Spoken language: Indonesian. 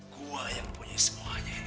gua yang punya semuanya ini